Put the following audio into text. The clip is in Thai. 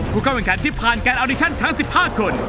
ด้วยการที่ผ่านการอัลดิชันทั้งสิบห้าคน